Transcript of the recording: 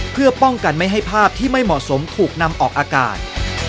เพื่อป้องกันไม่ให้ภาพที่ไม่เหมาะสมถูกนำออกอากาศ